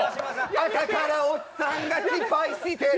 朝からおっさんが失敗してる、